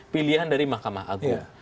pilihan dari makamah agung